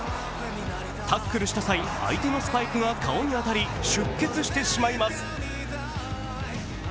タックルした際、相手のスパイクが顔に当たり、出血してしまいます。